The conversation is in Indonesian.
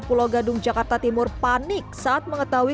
pulau gadung jakarta timur panik saat mengetahui